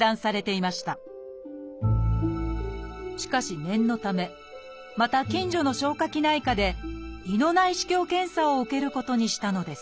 しかし念のためまた近所の消化器内科で胃の内視鏡検査を受けることにしたのです。